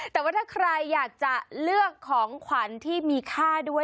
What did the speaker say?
แต่ว่าถ้าใครอยากจะเลือกของขวัญที่มีค่าด้วย